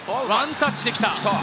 ワンタッチできた！